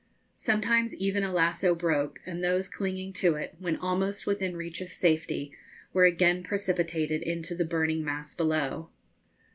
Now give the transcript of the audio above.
Sometimes even a lasso broke, and those clinging to it, when almost within reach of safety, were again precipitated into the burning mass below.